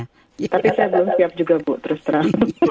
tapi saya belum siap juga bu terus terang